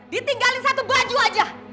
ditinggalin satu baju aja